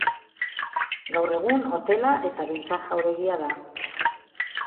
Gaur egun hotela eta biltzar-jauregia da.